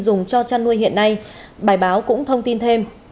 dùng cho chăn nuôi hiện nay bài báo cũng thông tin thêm